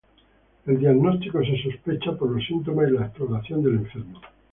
El diagnóstico se sospecha por los síntomas y la exploración del enfermo.